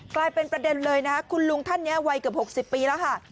กลายเป็นประเด็นเลยนะคะคุณลุงท่านนี้วัยเกือบ๖๐ปีแล้วค่ะ